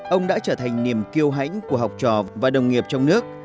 ông đã trở thành niềm kiêu hãnh của học trò và đồng nghiệp trong nước